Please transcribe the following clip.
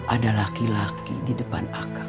ada laki laki di depan aka